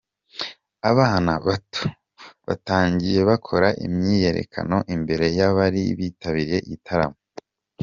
Abana bato batangiye bakora imyiyerekano imbere y'abari bitabiriye igitaramo.